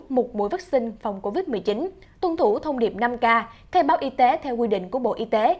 một mũi vaccine phòng covid một mươi chín tuân thủ thông điệp năm k thay báo y tế theo quy định của bộ y tế